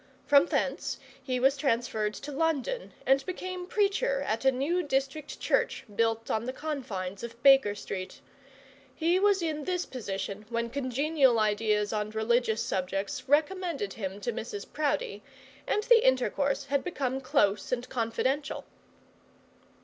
From thence he was transferred to London, and became preacher at a new district church built on the confines of Baker Street. He was in this position when congenial ideas on religious subjects recommended him to Mrs Proudie, and the intercourse had become close and confidential.